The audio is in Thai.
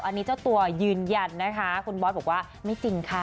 อันนี้เจ้าตัวยืนยันนะคะคุณบอสบอกว่าไม่จริงค่ะ